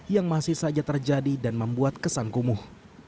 yang masih saja terjadi dan membuat kesan kumuh